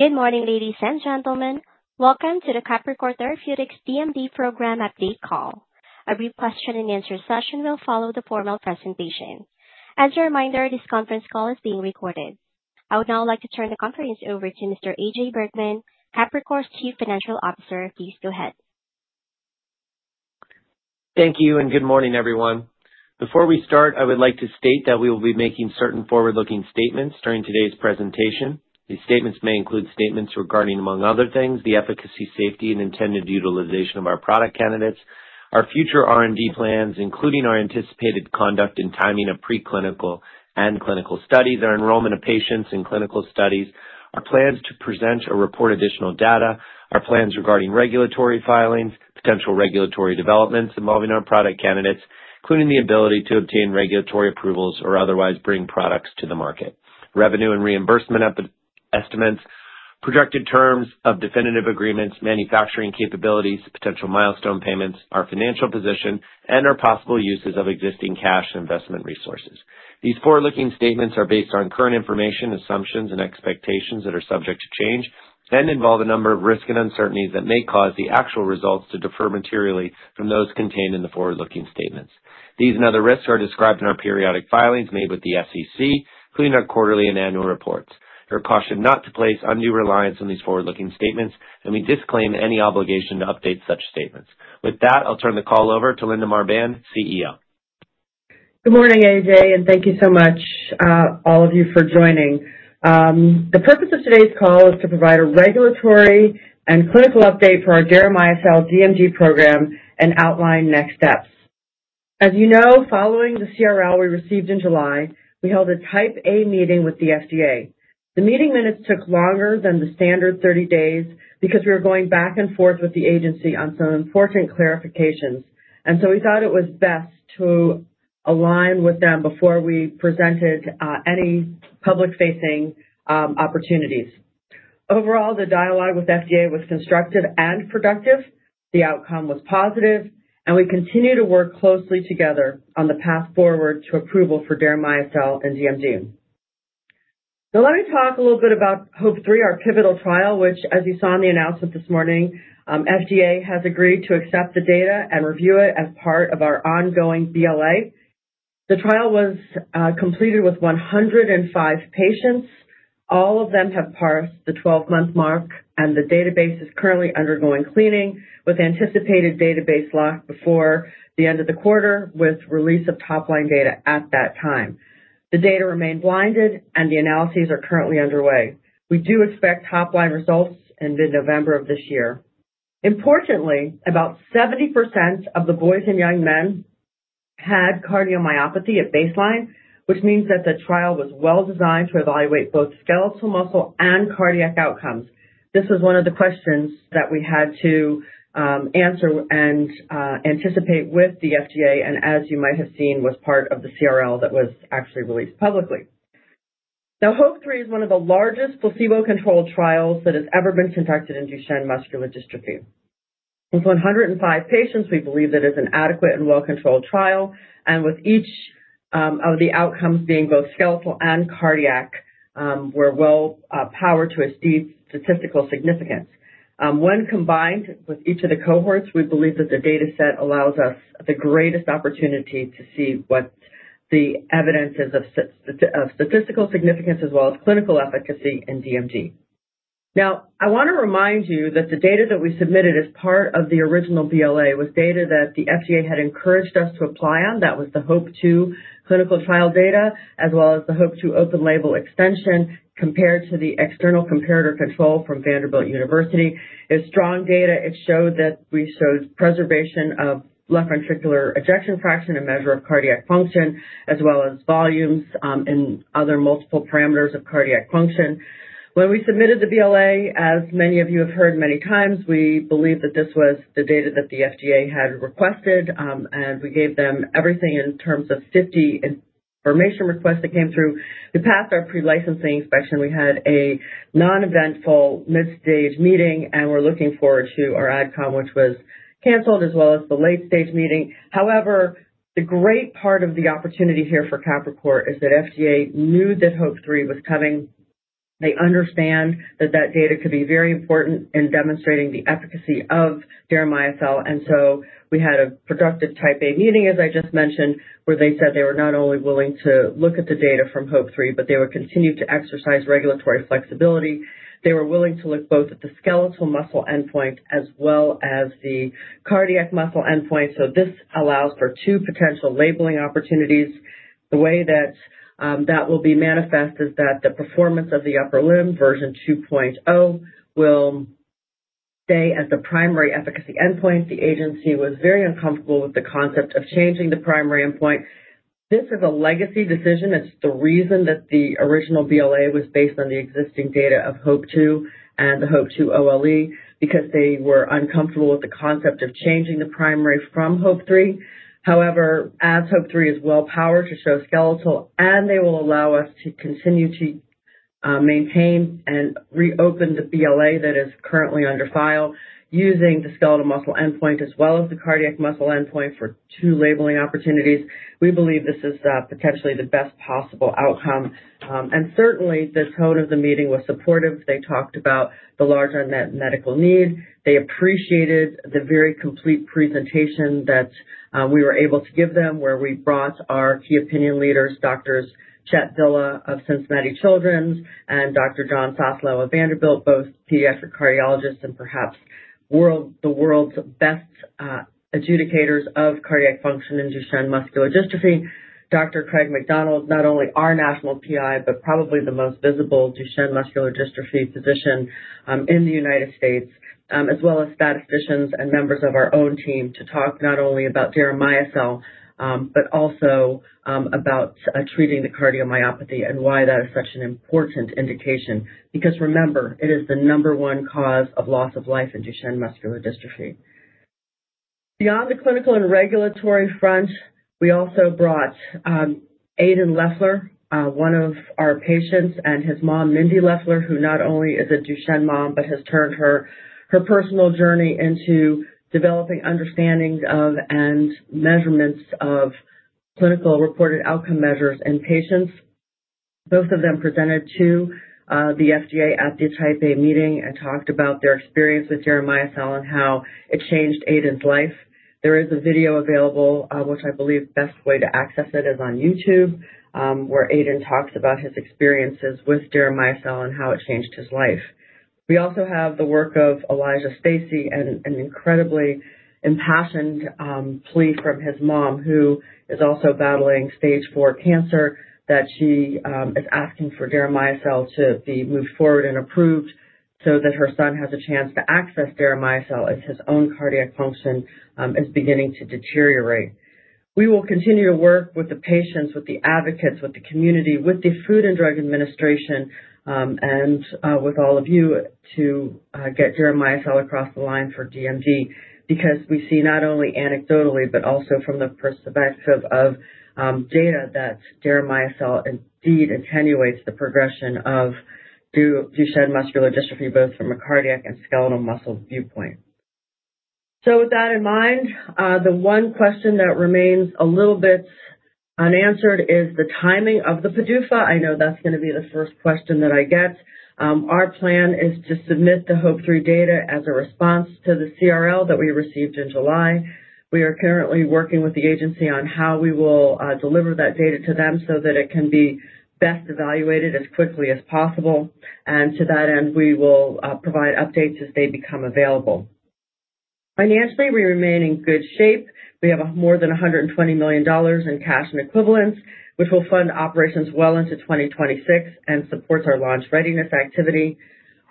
Good morning, ladies and gentlemen. Welcome to the Capricor Therapeutics DMV program update call. A brief question-and-answer session will follow the formal presentation. As a reminder, this conference call is being recorded. I would now like to turn the conference over to Mr. AJ Bergman, Capricor's Chief Financial Officer. Please go ahead. Thank you and good morning, everyone. Before we start, I would like to state that we will be making certain forward-looking statements during today's presentation. These statements may include statements regarding, among other things, the efficacy, safety, and intended utilization of our product candidates, our future R&D plans, including our anticipated conduct and timing of preclinical and clinical studies, our enrollment of patients in clinical studies, our plans to present or report additional data, our plans regarding regulatory filings, potential regulatory developments involving our product candidates, including the ability to obtain regulatory approvals or otherwise bring products to the market, revenue and reimbursement estimates, projected terms of definitive agreements, manufacturing capabilities, potential milestone payments, our financial position, and our possible uses of existing cash investment resources. These forward-looking statements are based on current information, assumptions, and expectations that are subject to change and involve a number of risks and uncertainties that may cause the actual results to differ materially from those contained in the forward-looking statements. These and other risks are described in our periodic filings made with the SEC, including our quarterly and annual reports. We are cautioned not to place undue reliance on these forward-looking statements, and we disclaim any obligation to update such statements. With that, I'll turn the call over to Linda Marbán, CEO. Good morning, AJ, and thank you so much, all of you, for joining. The purpose of today's call is to provide a regulatory and clinical update for our DMD program and outline next steps. As you know, following the CRL we received in July, we held a Type A meeting with the FDA. The meeting minutes took longer than the standard 30 days because we were going back and forth with the agency on some important clarifications, and so we thought it was best to align with them before we presented any public-facing opportunities. Overall, the dialogue with FDA was constructive and productive. The outcome was positive, and we continue to work closely together on the path forward to approval for DMD and DMD. Let me talk a little bit about HOPE-3, our pivotal trial, which, as you saw in the announcement this morning, FDA has agreed to accept the data and review it as part of our ongoing BLA. The trial was completed with 105 patients. All of them have passed the 12-month mark, and the database is currently undergoing cleaning with anticipated database lock before the end of the quarter with release of top-line data at that time. The data remain blinded, and the analyses are currently underway. We do expect top-line results in mid-November of this year. Importantly, about 70% of the boys and young men had cardiomyopathy at baseline, which means that the trial was well-designed to evaluate both skeletal muscle and cardiac outcomes. This was one of the questions that we had to answer and anticipate with the FDA, and, as you might have seen, was part of the CRL that was actually released publicly. Now, HOPE-3 is one of the largest placebo-controlled trials that has ever been conducted in Duchenne Muscular Dystrophy. With 105 patients, we believe that it is an adequate and well-controlled trial, and with each of the outcomes being both skeletal and cardiac, we're well-powered to a statistical significance. When combined with each of the cohorts, we believe that the dataset allows us the greatest opportunity to see what the evidence is of statistical significance as well as clinical efficacy in DMD. Now, I want to remind you that the data that we submitted as part of the original BLA was data that the FDA had encouraged us to apply on. That was the HOPE2 clinical trial data, as well as the HOPE2 open label extension compared to the external comparator control from Vanderbilt University. It was strong data. It showed that we showed preservation of left ventricular ejection fraction and measure of cardiac function, as well as volumes and other multiple parameters of cardiac function. When we submitted the BLA, as many of you have heard many times, we believe that this was the data that the FDA had requested, and we gave them everything in terms of 50 information requests that came through. We passed our pre-licensing inspection. We had a non-eventful mid-stage meeting, and we're looking forward to our adcom, which was canceled, as well as the late-stage meeting. However, the great part of the opportunity here for Capricor is that FDA knew that HOPE3 was coming. They understand that that data could be very important in demonstrating the efficacy of DMD, and so we had a productive Type A meeting, as I just mentioned, where they said they were not only willing to look at the data from HOPE-3, but they would continue to exercise regulatory flexibility. They were willing to look both at the skeletal muscle endpoint as well as the cardiac muscle endpoint. This allows for two potential labeling opportunities. The way that that will be manifest is that the Performance of the Upper Limb version 2.0 will stay as the primary efficacy endpoint. The agency was very uncomfortable with the concept of changing the primary endpoint. This is a legacy decision. It's the reason that the original BLA was based on the existing data of HOPE-2 and the HOPE-2 OLE because they were uncomfortable with the concept of changing the primary from HOPE-3. However, as HOPE-3 is well-powered to show skeletal, and they will allow us to continue to maintain and reopen the BLA that is currently under file using the skeletal muscle endpoint as well as the cardiac muscle endpoint for two labeling opportunities, we believe this is potentially the best possible outcome. And certainly, the tone of the meeting was supportive. They talked about the large unmet medical need. They appreciated the very complete presentation that we were able to give them, where we brought our key opinion leaders, Dr. Chet Villa of Cincinnati Children's and Dr. Jonathan Soslow of Vanderbilt, both pediatric cardiologists and perhaps the world's best adjudicators of cardiac function in Duchenne muscular dystrophy. Dr. Craig McDonald, not only our national PI, but probably the most visible Duchenne muscular dystrophy physician in the United States, as well as statisticians and members of our own team to talk not only about DMD, but also about treating the cardiomyopathy and why that is such an important indication. Because remember, it is the number one cause of loss of life in Duchenne muscular dystrophy. Beyond the clinical and regulatory front, we also brought Aidan Leffler, one of our patients, and his mom, Mindy Leffler, who not only is a Duchenne mom but has turned her personal journey into developing understandings of and measurements of clinical reported outcome measures in patients. Both of them presented to the FDA at the Type A meeting and talked about their experience with DMD and how it changed Aidan's life. There is a video available, which I believe the best way to access it is on YouTube, where Aidan talks about his experiences with deramiocel and how it changed his life. We also have the work of Elijah Stacey and an incredibly impassioned plea from his mom, who is also battling stage four cancer, that she is asking for deramiocel to be moved forward and approved so that her son has a chance to access deramiocel as his own cardiac function is beginning to deteriorate. We will continue to work with the patients, with the advocates, with the community, with the Food and Drug Administration, and with all of you to get deramiocel across the line for DMD because we see not only anecdotally but also from the perspective of data that deramiocel indeed attenuates the progression of Duchenne muscular dystrophy both from a cardiac and skeletal muscle viewpoint. With that in mind, the one question that remains a little bit unanswered is the timing of the PDUFA. I know that's going to be the first question that I get. Our plan is to submit the HOPE-3 data as a response to the CRL that we received in July. We are currently working with the agency on how we will deliver that data to them so that it can be best evaluated as quickly as possible. And to that end, we will provide updates as they become available. Financially, we remain in good shape. We have more than $120 million in cash and equivalents, which will fund operations well into 2026 and supports our launch readiness activity.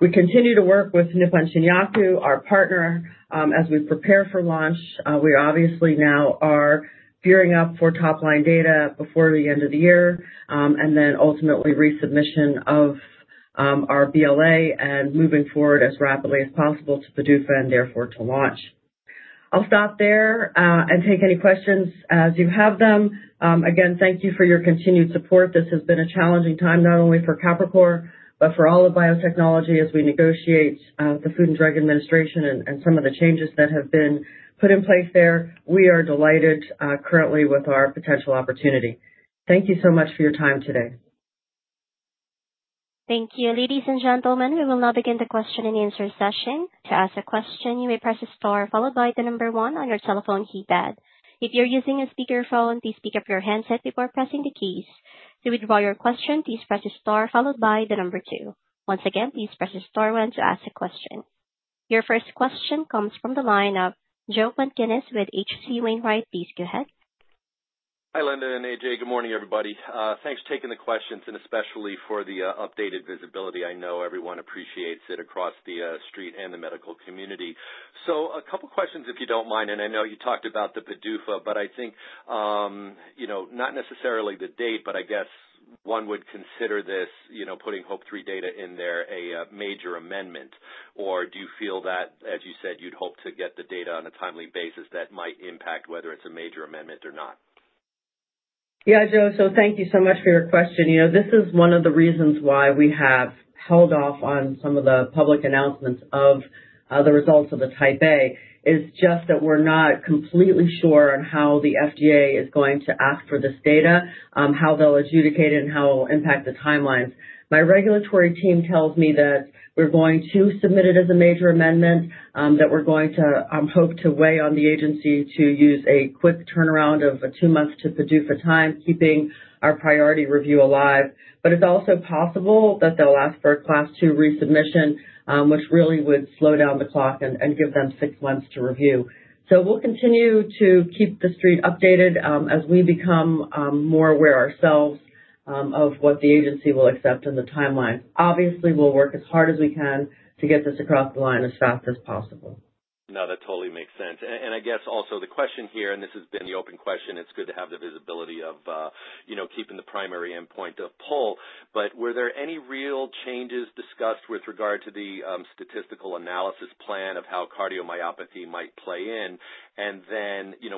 We continue to work with Nippon Shinyaku, our partner, as we prepare for launch. We obviously now are gearing up for top-line data before the end of the year and then ultimately resubmission of our BLA and moving forward as rapidly as possible to PDUFA and therefore to launch. I'll stop there and take any questions as you have them. Again, thank you for your continued support. This has been a challenging time not only for Capricor but for all of biotechnology. As we negotiate the Food and Drug Administration and some of the changes that have been put in place there, we are delighted currently with our potential opportunity. Thank you so much for your time today. Thank you. Ladies and gentlemen, we will now begin the question and answer session. To ask a question, you may press star followed by the number one on your telephone keypad. If you're using a speakerphone, please pick up your handset before pressing the keys. To withdraw your question, please press star followed by the number two. Once again, please press star one to ask a question. Your first question comes from the line of Joseph Pantginis with H.C. Wainwright. Please go ahead. Hi, Linda and AJ. Good morning, everybody. Thanks for taking the questions, and especially for the updated visibility. I know everyone appreciates it across the street and the medical community. A couple of questions, if you don't mind. I know you talked about the PDUFA, but not necessarily the date, but one would consider this putting HOPE-3 data in there a major amendment, or do you feel that, as you said, you'd hope to get the data on a timely basis that might impact whether it's a major amendment or not? Yeah, Joe. Thank you so much for your question. This is one of the reasons why we have held off on some of the public announcements of the results of the Type A. It's just that we're not completely sure on how the FDA is going to ask for this data, how they'll adjudicate it, and how it will impact the timelines. My regulatory team tells me that we're going to submit it as a major amendment, that we're going to hope to weigh on the agency to use a quick turnaround of two months to PDUFA time, keeping our priority review alive. But it's also possible that they'll ask for a Class 2 resubmission, which really would slow down the clock and give them six months to review. We'll continue to keep the street updated as we become more aware ourselves of what the agency will accept and the timelines. Obviously, we'll work as hard as we can to get this across the line as fast as possible. No, that totally makes sense. Also the question here, and this has been the open question. It's good to have the visibility of keeping the primary endpoint of PUL. But were there any real changes discussed with regard to the statistical analysis plan of how cardiomyopathy might play in?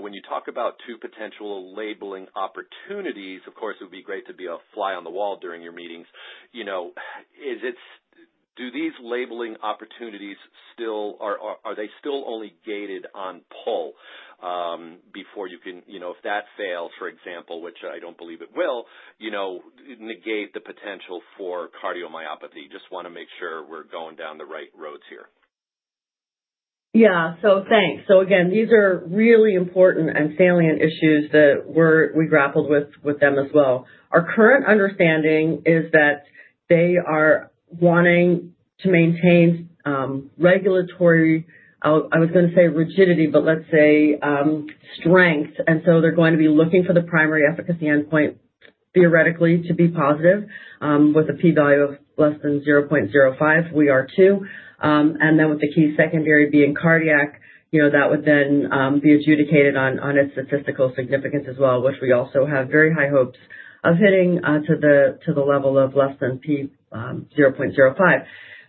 When you talk about two potential labeling opportunities, of course, it would be great to be a fly on the wall during your meetings. Do these labeling opportunities still, are they still only gated on PUL before you can, if that fails, for example, which I don't believe it will, negate the potential for cardiomyopathy? Just want to make sure we're going down the right roads here. Yeah. Thanks. Again, these are really important and salient issues that we grappled with them as well. Our current understanding is that they are wanting to maintain regulatory. I was going to say rigidity, but let's say strength. They're going to be looking for the primary efficacy endpoint theoretically to be positive with a p-value of less than 0.05. We are too. With the key secondary being cardiac, that would then be adjudicated on its statistical significance as well, which we also have very high hopes of hitting to the level of less than p 0.05.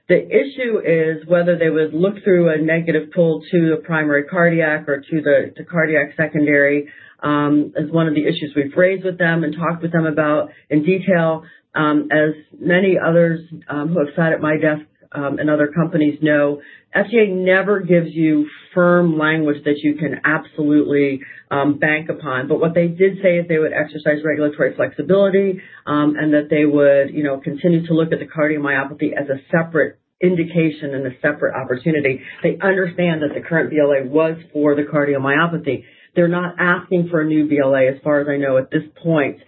The issue is whether they would look through a negative PUL to the primary cardiac or to the cardiac secondary is one of the issues we've raised with them and talked with them about in detail. As many others who have sat at my desk and other companies know, FDA never gives you firm language that you can absolutely bank upon. But what they did say is they would exercise regulatory flexibility and that they would continue to look at the cardiomyopathy as a separate indication and a separate opportunity. They understand that the current BLA was for the cardiomyopathy. They're not asking for a new BLA, as far as I know, at this point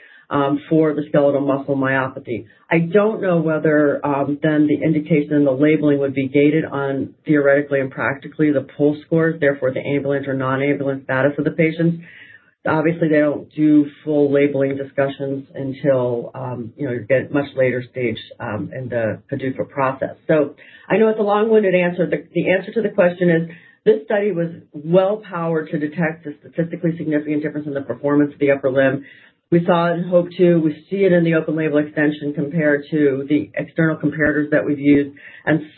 for the skeletal muscle myopathy. I don't know whether then the indication and the labeling would be gated on theoretically and practically the PUL scores, therefore the ambulatory or non-ambulatory status of the patients. Obviously, they don't do full labeling discussions until you get much later stage in the PDUFA process. I know it's a long-winded answer. The answer to the question is this study was well-powered to detect the statistically significant difference in the performance of the upper limb. We saw it in HOPE-2. We see it in the open label extension compared to the external comparators that we've used.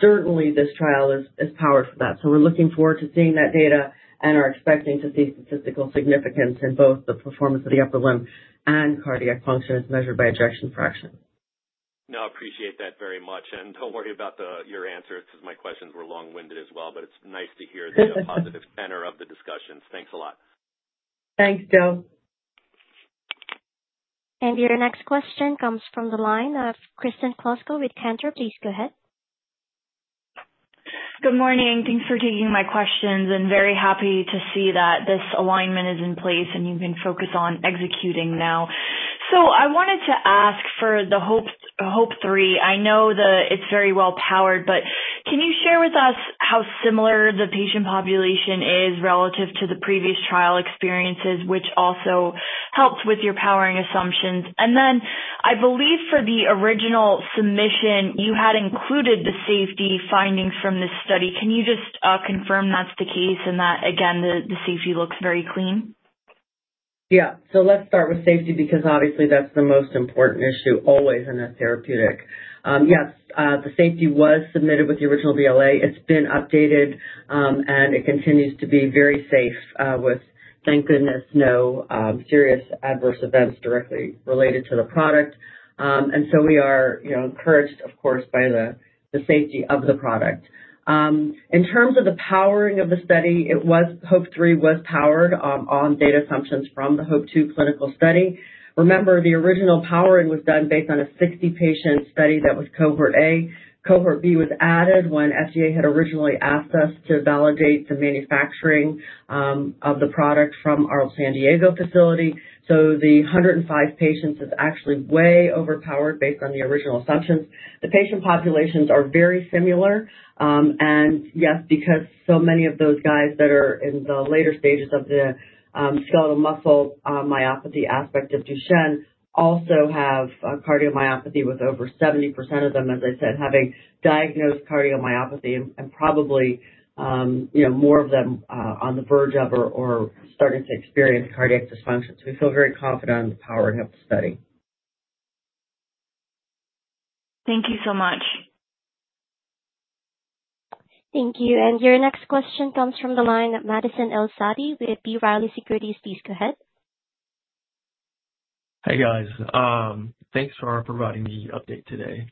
Certainly, this trial is powered for that. We're looking forward to seeing that data and are expecting to see statistical significance in both the performance of the upper limb and cardiac function as measured by ejection fraction. No, I appreciate that very much. Don't worry about your answers. My questions were long-winded as well, but it's nice to hear the positive tenor of the discussions. Thanks a lot. Thanks, Joe. Your next question comes from the line of Kristen Kluska with Cantor. Please go ahead. Good morning. Thanks for taking my questions. I'm very happy to see that this alignment is in place and you can focus on executing now. I wanted to ask for the HOPE-3. I know that it's very well-powered, but can you share with us how similar the patient population is relative to the previous trial experiences, which also helped with your powering assumptions? I believe for the original submission, you had included the safety findings from this study. Can you just confirm that's the case and that, again, the safety looks very clean? Yeah. Let's start with safety because obviously that's the most important issue always in a therapeutic. Yes, the safety was submitted with the original BLA. It's been updated, and it continues to be very safe with, thank goodness, no serious adverse events directly related to the product. We are encouraged, of course, by the safety of the product. In terms of the powering of the study, HOPE-3 was powered on data assumptions from the HOPE-2 clinical study. Remember, the original powering was done based on a 60-patient study that was cohort A. Cohort B was added when FDA had originally asked us to validate the manufacturing of the product from our San Diego facility. The 105 patients is actually way overpowered based on the original assumptions. The patient populations are very similar. Yes, because so many of those guys that are in the later stages of the skeletal muscle myopathy aspect of Duchenne also have cardiomyopathy with over 70% of them, as I said, having diagnosed cardiomyopathy and probably more of them on the verge of or starting to experience cardiac dysfunction. We feel very confident on the powering of the study. Thank you so much. Thank you. Your next question comes from the line of Madison El-Saadi with B. Riley Securities. Please go ahead. Hi guys. Thanks for providing the update today.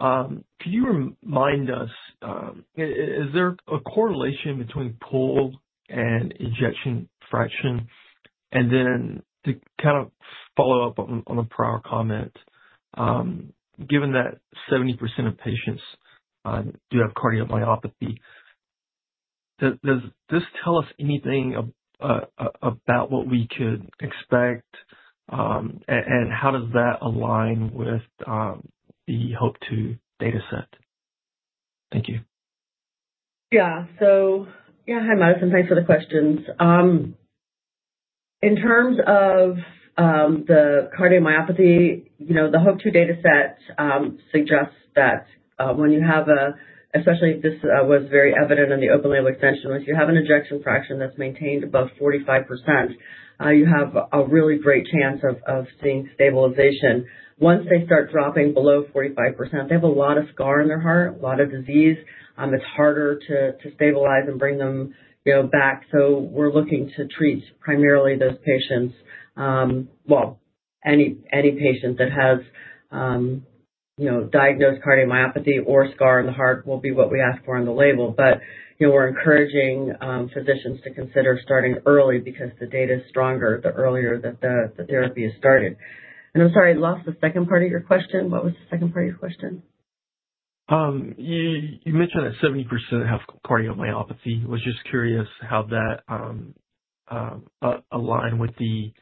Could you remind us, is there a correlation between pull and ejection fraction? And then to follow up on a prior comment, given that 70% of patients do have cardiomyopathy, does this tell us anything about what we could expect and how does that align with the HOPE-2 dataset? Thank you. Yeah. Hi Madison. Thanks for the questions. In terms of the cardiomyopathy, the HOPE-2 dataset suggests that when you have a, especially if this was very evident in the HOPE-2 open label extension, if you have an ejection fraction that's maintained above 45%, you have a really great chance of seeing stabilization. Once they start dropping below 45%, they have a lot of scar in their heart, a lot of disease. It's harder to stabilize and bring them back. We're looking to treat primarily those patients. Well, any patient that has diagnosed cardiomyopathy or scar in the heart will be what we ask for on the label. We're encouraging physicians to consider starting early because the data is stronger the earlier that the therapy is started. I'm sorry, I lost the second part of your question. What was the second part of your question? You mentioned that 70% have cardiomyopathy. I was just curious how that aligned with the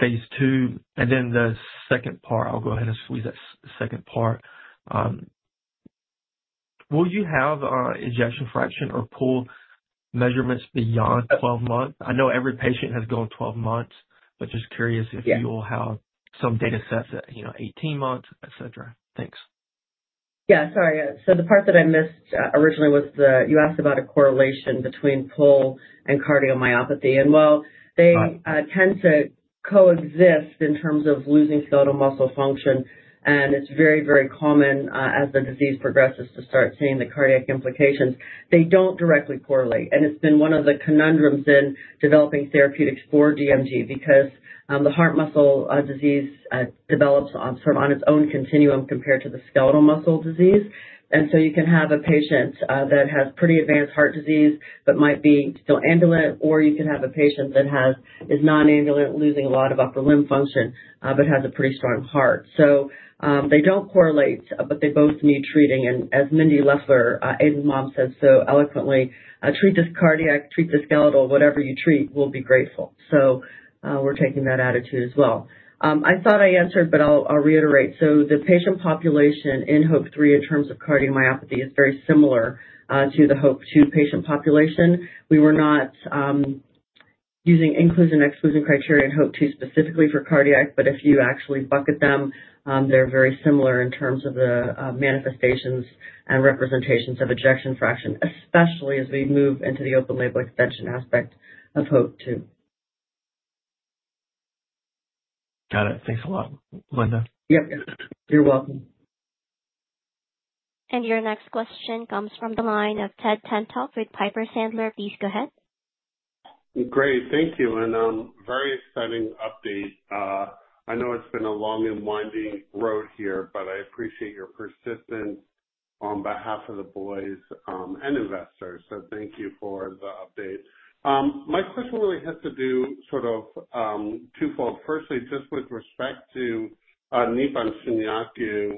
phase 2. The second part, I'll go ahead and squeeze that second part. Will you have ejection fraction or PUL measurements beyond 12 months? I know every patient has gone 12 months, but just curious if you all have some datasets at 18 months, etc. Thanks. Yeah. Sorry. The part that I missed originally was you asked about a correlation between PUL and cardiomyopathy. And well, they tend to coexist in terms of losing skeletal muscle function. And it's very, very common as the disease progresses to start seeing the cardiac implications. They don't directly correlate and it's been one of the conundrums in developing therapeutics for DMD because the heart muscle disease develops on its own continuum compared to the skeletal muscle disease. You can have a patient that has pretty advanced heart disease but might be still ambulant, or you can have a patient that is non-ambulant, losing a lot of upper limb function, but has a pretty strong heart. They don't correlate, but they both need treating. As Mindy Leffler, Aidan's mom, says so eloquently, "Treat this cardiac, treat the skeletal, whatever you treat will be grateful." We're taking that attitude as well. I thought I answered, but I'll reiterate. The patient population in HOPE-3 in terms of cardiomyopathy is very similar to the HOPE-2 patient population. We were not using inclusion-exclusion criteria in HOPE-2 specifically for cardiac, but if you actually bucket them, they're very similar in terms of the manifestations and representations of ejection fraction, especially as we move into the open-label extension aspect of HOPE-2. Got it. Thanks a lot, Linda. Yep. You're welcome. Your next question comes from the line of Ted Tenthoff with Piper Sandler. Please go ahead. Great. Thank you and very exciting update. I know it's been a long and winding road here, but I appreciate your persistence on behalf of the boys and investors, so thank you for the update. My question really has to do sort of twofold. Firstly, just with respect to Nippon Shinyaku,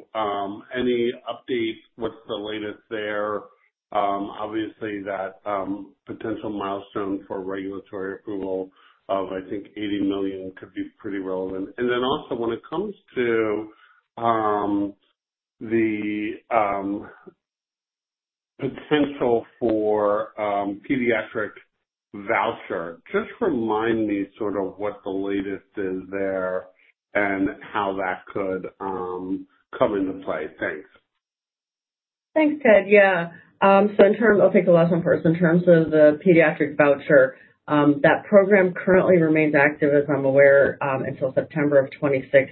any updates? What's the latest there? Obviously, that potential milestone for regulatory approval of $80 million could be pretty relevant, and then also when it comes to the potential for pediatric voucher, just remind me sort of what the latest is there and how that could come into play. Thanks. Thanks, Ted. Yeah. I'll take the last one first. In terms of the pediatric voucher, that program currently remains active, as I'm aware, until September of 2026.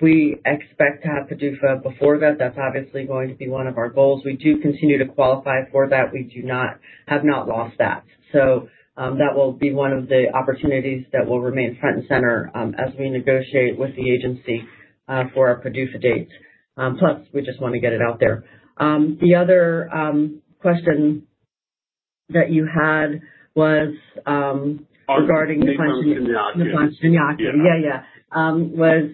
We expect to have PDUFA before that. That's obviously going to be one of our goals. We do continue to qualify for that. We have not lost that. That will be one of the opportunities that will remain front and center as we negotiate with the agency for our PDUFA dates. Plus, we just want to get it out there. The other question that you had was regarding Nippon Shinyaku. Nippon Shinyaku. Nippon Shinyaku. Yeah.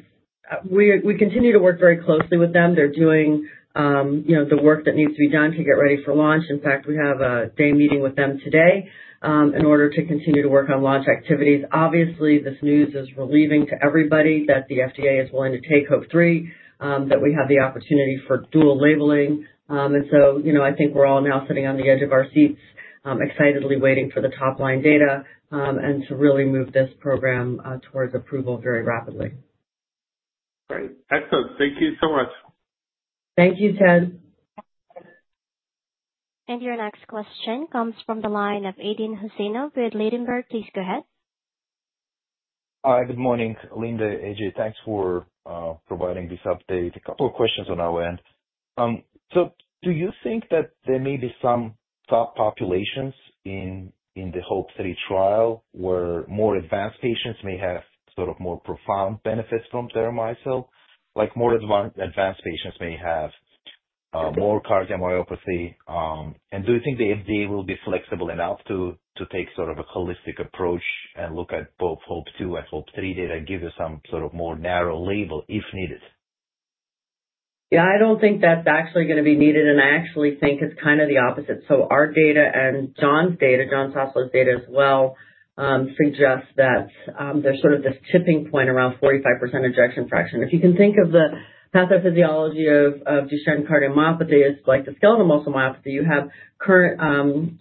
We continue to work very closely with them. They're doing the work that needs to be done to get ready for launch. In fact, we have a day meeting with them today in order to continue to work on launch activities. Obviously, this news is relieving to everybody that the FDA is willing to take HOPE-3, that we have the opportunity for dual labeling. We're all now sitting on the edge of our seats, excitedly waiting for the top-line data and to really move this program towards approval very rapidly. Great. Excellent. Thank you so much. Thank you, Ted. Your next question comes from the line of Aydin Huseynov with Ladenburg Thalmann. Please go ahead. Hi, good morning, Linda, AJ. Thanks for providing this update. A couple of questions on our end. Do you think that there may be some subpopulations in the HOPE-3 trial where more advanced patients may have sort of more profound benefits from deramiocel? Like more advanced patients may have more cardiomyopathy. And do you think the FDA will be flexible enough to take sort of a holistic approach and look at both HOPE-2 and HOPE-3 data and give you some sort of more narrow label if needed? Yeah, I don't think that's actually going to be needed, and I actually think it's the opposite, so our data and John's data, John Soslow's data as well, suggest that there's this tipping point around 45% ejection fraction. If you can think of the pathophysiology of Duchenne cardiomyopathy, it's like the skeletal muscle myopathy. You have current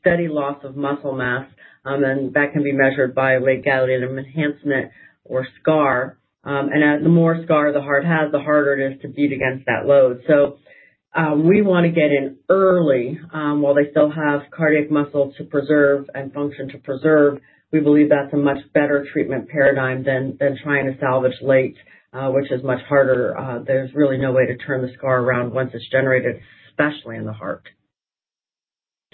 steady loss of muscle mass, and that can be measured by late gadolinium enhancement or scar, and the more scar the heart has, the harder it is to beat against that load, so we want to get in early while they still have cardiac muscle to preserve and function to preserve. We believe that's a much better treatment paradigm than trying to salvage late, which is much harder. There's really no way to turn the scar around once it's generated, especially in the heart.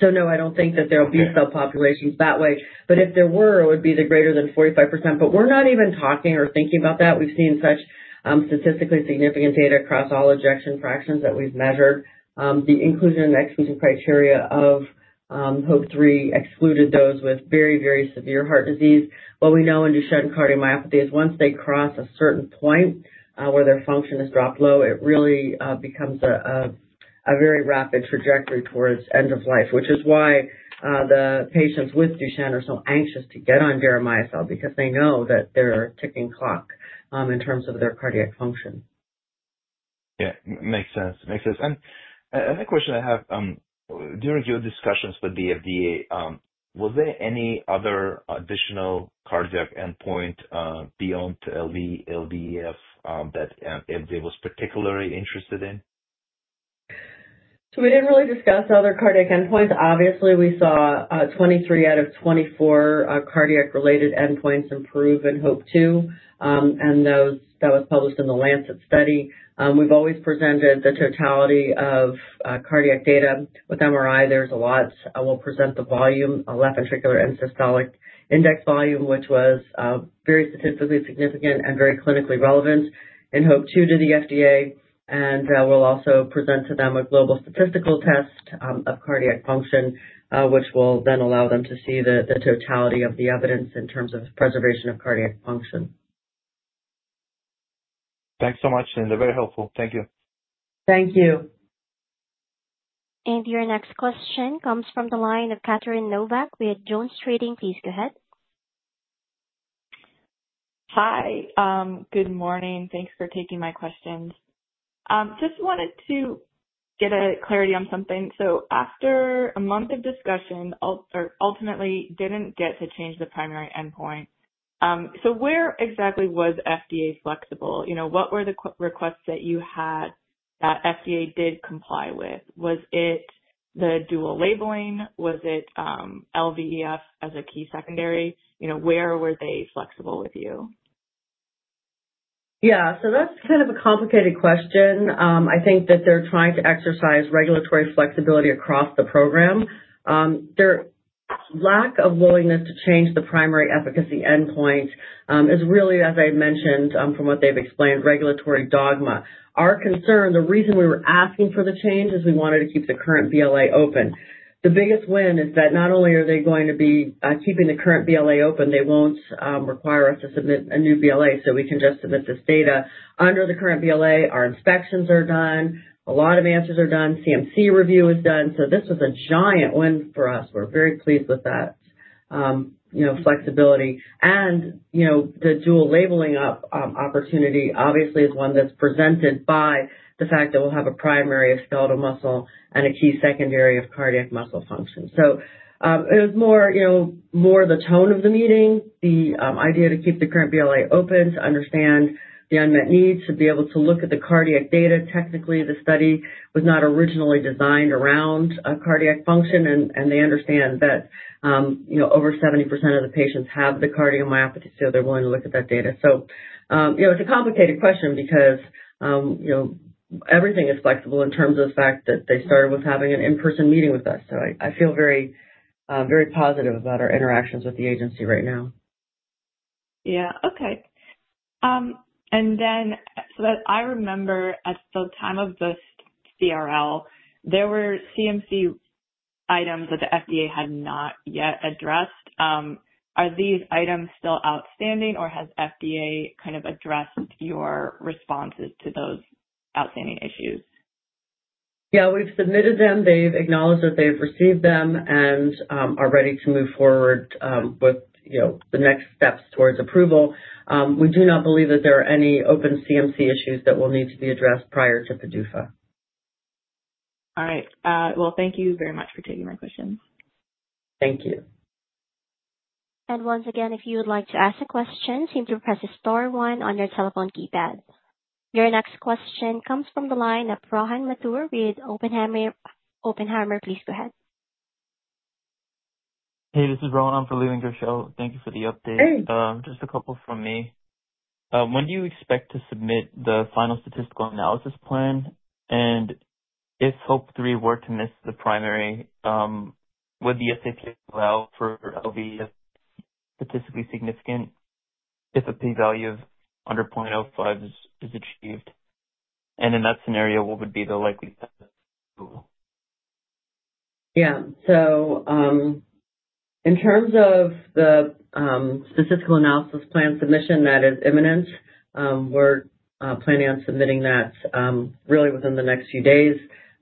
No, I don't think that there will be subpopulations that way. If there were, it would be the greater than 45%. We're not even talking or thinking about that. We've seen such statistically significant data across all ejection fractions that we've measured. The inclusion and exclusion criteria of HOPE-3 excluded those with very, very severe heart disease. What we know in Duchenne cardiomyopathy is once they cross a certain point where their function has dropped low, it really becomes a very rapid trajectory towards end of life, which is why the patients with Duchenne are so anxious to get on Deramiocel because they know that they're a ticking clock in terms of their cardiac function. Yeah. Makes sense. Another question I have. During your discussions with the FDA, was there any other additional cardiac endpoint beyond LV, LVEF that FDA was particularly interested in? We didn't really discuss other cardiac endpoints. Obviously, we saw 23 out of 24 cardiac-related endpoints improve in HOPE-2. That was published in the Lancet study. We've always presented the totality of cardiac data with MRI. There's a lot. We'll present the volume, left ventricular and systolic index volume, which was very statistically significant and very clinically relevant in HOPE-2 to the FDA. And we'll also present to them a global statistical test of cardiac function, which will then allow them to see the totality of the evidence in terms of preservation of cardiac function. Thanks so much, Linda. Very helpful. Thank you. Thank you. Your next question comes from the line of Catherine Novack with JonesTrading. Please go ahead. Hi. Good morning. Thanks for taking my questions. Just wanted to get clarity on something. So after a month of discussion, ultimately didn't get to change the primary endpoint. So where exactly was FDA flexible? What were the requests that you had that FDA did comply with? Was it the dual labeling? Was it LVEF as a key secondary? Where were they flexible with you? Yeah. So that's kind of a complicated question. That they're trying to exercise regulatory flexibility across the program. Their lack of willingness to change the primary efficacy endpoint is really, as I mentioned from what they've explained, regulatory dogma. Our concern, the reason we were asking for the change, is we wanted to keep the current BLA open. The biggest win is that not only are they going to be keeping the current BLA open, they won't require us to submit a new BLA. So we can just submit this data under the current BLA. Our inspections are done. A lot of answers are done. CMC review is done. So this was a giant win for us. We're very pleased with that flexibility. And the dual labeling opportunity obviously is one that's presented by the fact that we'll have a primary of skeletal muscle and a key secondary of cardiac muscle function. So it was more the tone of the meeting, the idea to keep the current BLA open, to understand the unmet needs, to be able to look at the cardiac data. Technically, the study was not originally designed around cardiac function. And they understand that over 70% of the patients have the cardiomyopathy, so they're willing to look at that data. So it's a complicated question because everything is flexible in terms of the fact that they started with having an in-person meeting with us. So I feel very positive about our interactions with the agency right now. Yeah. Okay. And then so that I remember at the time of the CRL, there were CMC items that the FDA had not yet addressed. Are these items still outstanding, or has FDA kind of addressed your responses to those outstanding issues? Yeah. We've submitted them. They've acknowledged that they've received them and are ready to move forward with the next steps towards approval. We do not believe that there are any open CMC issues that will need to be addressed prior to PDUFA. All right. Well, thank you very much for taking my questions. Thank you. Once again, if you would like to ask a question, simply press the star one on your telephone keypad. Your next question comes from the line of Rohan Mathur with Oppenheimer. Please go ahead. Hey, this is Rohan. I'm from Oppenheimer. Thank you for the update. Just a couple from me. When do you expect to submit the final Statistical Analysis Plan? And if HOPE-3 were to miss the primary, would the SAP for LVEF be statistically significant if a p-value of under 0.05 is achieved? And in that scenario, what would be the likelihood? Yeah. So in terms of the statistical analysis plan submission, that is imminent. We're planning on submitting that really within the next few days.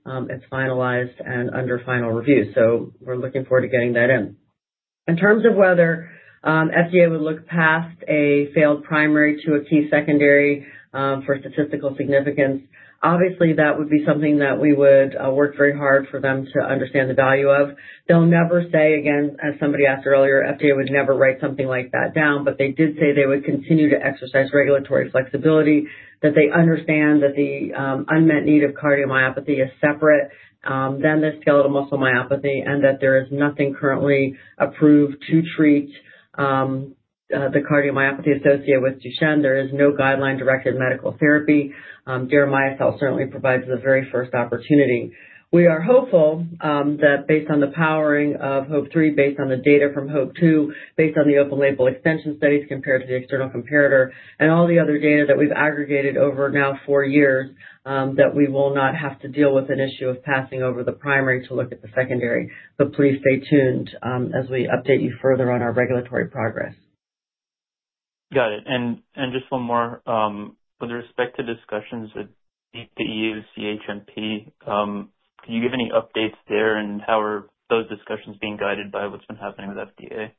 It's finalized and under final review. So we're looking forward to getting that in. In terms of whether FDA would look past a failed primary to a key secondary for statistical significance, obviously, that would be something that we would work very hard for them to understand the value of. They'll never say, again, as somebody asked earlier, FDA would never write something like that down, but they did say they would continue to exercise regulatory flexibility, that they understand that the unmet need of cardiomyopathy is separate than the skeletal muscle myopathy, and that there is nothing currently approved to treat the cardiomyopathy associated with Duchenne. There is no guideline-directed medical therapy. Deramiocel certainly provides the very first opportunity. We are hopeful that based on the powering of HOPE-3, based on the data from HOPE-2, based on the open label extension studies compared to the external comparator, and all the other data that we've aggregated over now four years, that we will not have to deal with an issue of passing over the primary to look at the secondary. But please stay tuned as we update you further on our regulatory progress. Got it. And just one more. With respect to discussions with the EU CHMP, can you give any updates there? And how are those discussions being guided by what's been happening with FDA?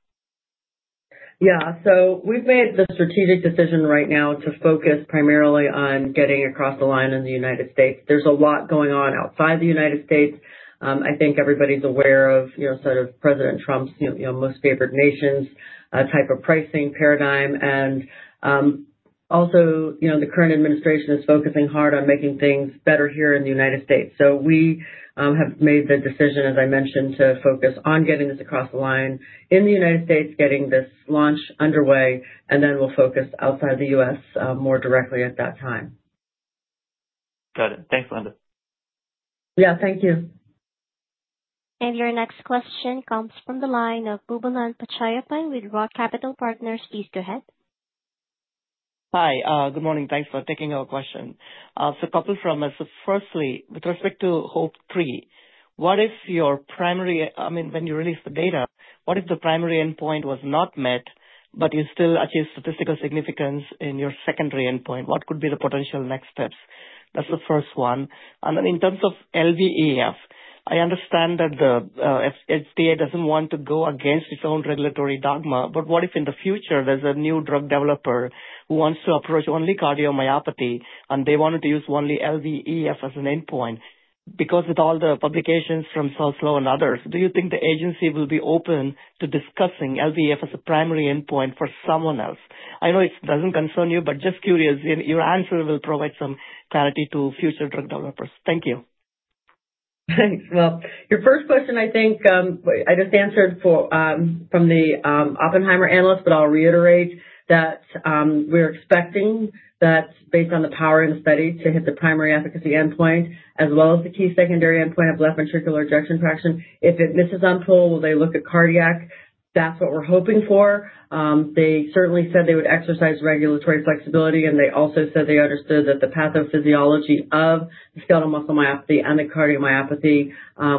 Yeah. So we've made the strategic decision right now to focus primarily on getting across the line in the United States. There's a lot going on outside the United States. Everybody's aware of sort of President Trump's most favorite nations type of pricing paradigm. And also, the current administration is focusing hard on making things better here in the United States. We have made the decision, as I mentioned, to focus on getting this across the line in the United States, getting this launch underway, and then we'll focus outside the U.S. more directly at that time. Got it. Thanks, Linda. Yeah. Thank you. And your next question comes from the line of Bhuvan Pachayappan with Roth Capital Partners. Please go ahead. Hi. Good morning. Thanks for taking our question. So a couple from us. So firstly, with respect to HOPE-3, what if your primary—I mean, when you released the data, what if the primary endpoint was not met, but you still achieved statistical significance in your secondary endpoint? What could be the potential next steps? That's the first one. And then in terms of LVEF, I understand that the FDA doesn't want to go against its own regulatory dogma, but what if in the future there's a new drug developer who wants to approach only cardiomyopathy and they wanted to use only LVEF as an endpoint? Because with all the publications from Soslow and others, do you think the agency will be open to discussing LVEF as a primary endpoint for someone else? I know it doesn't concern you, but just curious, your answer will provide some clarity to future drug developers. Thank you. Thanks. Well, your first question, I think I just answered from the Oppenheimer analyst, but I'll reiterate that we're expecting that based on the power in the study to hit the primary efficacy endpoint as well as the key secondary endpoint of left ventricular ejection fraction. If it misses on PUL, will they look at cardiac? That's what we're hoping for. They certainly said they would exercise regulatory flexibility, and they also said they understood that the pathophysiology of the skeletal muscle myopathy and the cardiomyopathy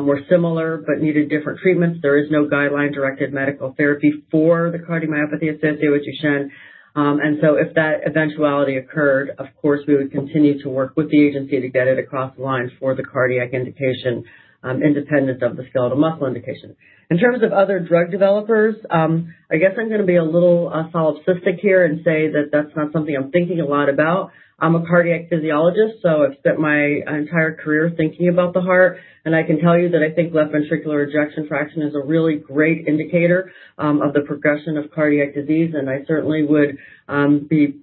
were similar but needed different treatments. There is no guideline-directed medical therapy for the cardiomyopathy associated with Duchenne. And so if that eventuality occurred, of course, we would continue to work with the agency to get it across the line for the cardiac indication independent of the skeletal muscle indication. In terms of other drug developers, I guess I'm going to be a little solipsistic here and say that that's not something I'm thinking a lot about. I'm a cardiac physiologist, so I've spent my entire career thinking about the heart, and I can tell you that I think left ventricular ejection fraction is a really great indicator of the progression of cardiac disease, and I certainly would be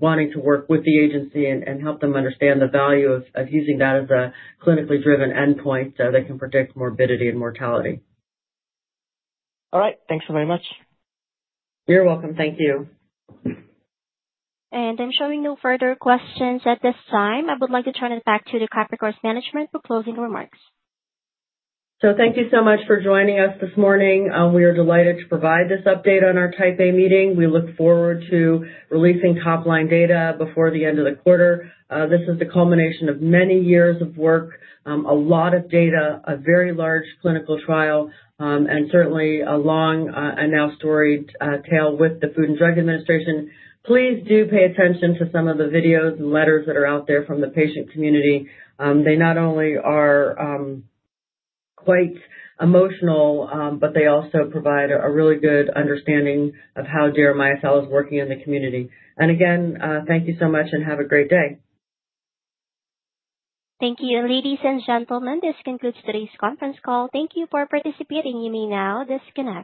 wanting to work with the agency and help them understand the value of using that as a clinically driven endpoint so they can predict morbidity and mortality. All right. Thanks so very much. You're welcome. Thank you. I'm showing no further questions at this time. I would like to turn it back to the Capricor management for closing remarks. Thank you so much for joining us this morning. We are delighted to provide this update on our Type A Meeting. We look forward to releasing top-line data before the end of the quarter. This is the culmination of many years of work, a lot of data, a very large clinical trial, and certainly a long and now storied tale with the Food and Drug Administration. Please do pay attention to some of the videos and letters that are out there from the patient community. They not only are quite emotional, but they also provide a really good understanding of how Deramiocel is working in the community. Again, thank you so much and have a great day. Thank you. Ladies and gentlemen, this concludes today's conference call. Thank you for participating. You may now disconnect.